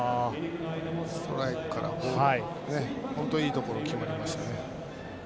ストライクからボールという本当にいいところに決まりました。